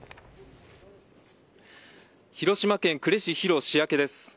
広島県呉市広塩焼です。